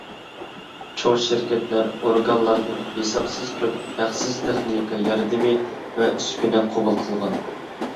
چوڭ شىركەتلەر، ئورگانلاردىن ھېسابسىز كۆپ ھەقسىز تېخنىكا ياردىمى ۋە ئۈسكۈنە قوبۇل قىلغان.